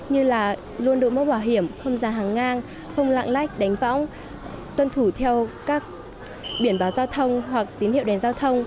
như là luôn đổi mũ bảo hiểm không ra hàng ngang không lạng lách đánh võng tuân thủ theo các biển báo giao thông hoặc tín hiệu đèn giao thông